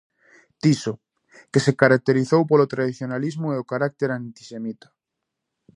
Tiso, que se caracterizou polo tradicionalismo e o carácter antisemita.